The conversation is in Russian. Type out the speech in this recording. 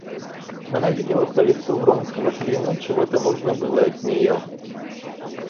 Она видела по лицу Вронского, что ему чего-то нужно было от нее.